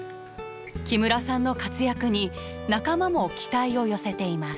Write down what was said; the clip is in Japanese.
木村さんの活躍に仲間も期待を寄せています。